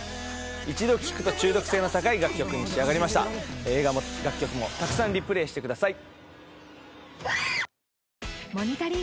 一度聴くと中毒性の高い楽曲に仕上がりました映画も楽曲もたくさんＲＥＰＬＡＹしてください